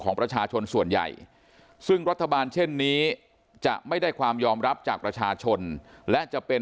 ของประชาชนส่วนใหญ่ซึ่งรัฐบาลเช่นนี้จะไม่ได้ความยอมรับจากประชาชนและจะเป็น